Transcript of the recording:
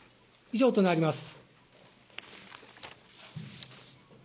以上となります。